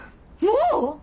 もう！？